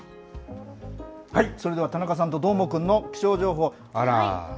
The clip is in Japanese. それでは田中さんとどーもくんの気象情報。